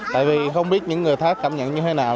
tại vì không biết những người khác cảm nhận như thế nào